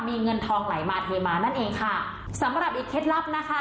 มีเงินทองไหลมาเทมานั่นเองค่ะสำหรับอีกเคล็ดลับนะคะ